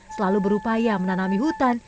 selalu berupaya menanami hutan